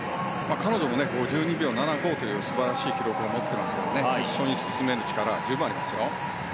彼女も５２秒７５という素晴らしい記録を持っていますから決勝に進める力は十分ありますよ。